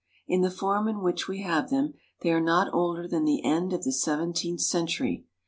In the form in which we~have them they are not older than the end of the seven teenth century.